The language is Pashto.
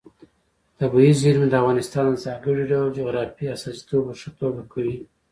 طبیعي زیرمې د افغانستان د ځانګړي ډول جغرافیې استازیتوب په ښه توګه کوي.